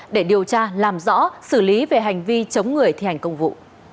để điều tra làm rõ xử lý về hành vi chống người thi hành công vụ